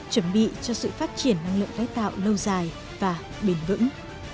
chuẩn bị cho sự phát triển năng lượng tái tạo lâu dài và bền vững